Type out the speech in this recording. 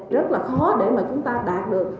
rất là khó để mà chúng ta đạt được